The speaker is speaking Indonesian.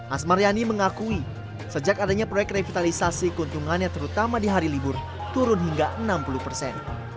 asmar yani mengakui sejak adanya proyek revitalisasi keuntungannya terutama di hari libur turun hingga enam puluh persen